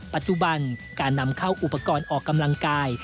ปัจจุบันการนำเข้าอุปกรณ์ออกกำลังกาย